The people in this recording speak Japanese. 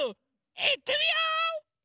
いってみよう！